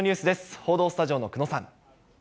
報道スタジオの久野さん。